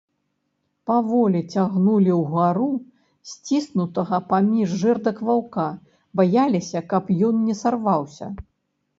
Паволі цягнулі ўгару сціснутага паміж жэрдак ваўка, баяліся, каб ён не сарваўся.